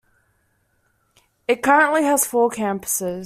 It currently has four campuses.